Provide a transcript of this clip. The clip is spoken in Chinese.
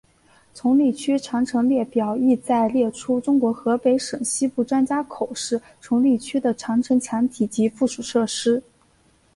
崇礼区长城列表旨在列出中国河北省西部张家口市崇礼区的长城墙体及附属设施。